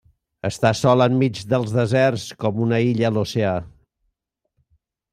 Està sola enmig dels deserts com una illa a l'oceà.